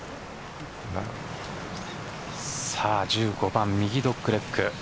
１５番、右ドッグレッグ。